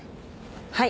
はい。